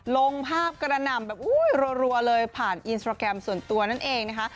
ลงภาพกระหน่ำแบบอุ้ยรัวเลยผ่านอินสตราแกรมส่วนตัวนั่นเองนะคะ